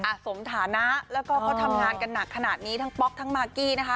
สมฐานะแล้วก็เขาทำงานกันหนักขนาดนี้ทั้งป๊อกทั้งมากกี้นะคะ